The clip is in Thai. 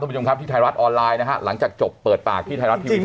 ผู้ชมครับที่ไทยรัฐออนไลน์นะฮะหลังจากจบเปิดปากที่ไทยรัฐทีวี